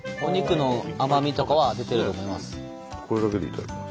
これだけで頂きます。